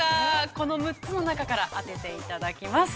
この６つの中から当てていただきます。